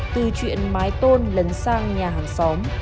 từ chuyện mái tôn lấn sang nhà hàng xóm